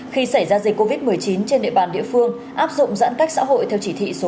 khi xảy ra dịch covid một mươi chín trên địa bàn địa phương áp dụng giãn cách xã hội theo chỉ thị số một mươi